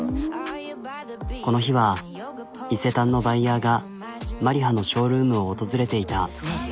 この日は伊勢丹のバイヤーがＭＡＲＩＨＡのショールームを訪れていた。